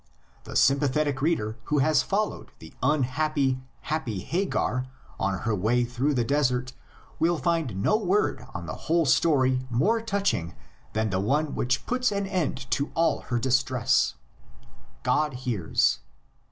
The sympa thetic reader who has followed the unhappy happy Hagar on her way through the desert will find no word in the whole story more touching that the one which puts an end to all her distress: God hears.